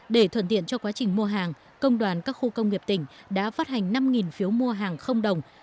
để thuận tiện cho quá trình mua hàng công đoàn các khu công nghiệp tỉnh đã phát hành năm phiếu mua hàng đồng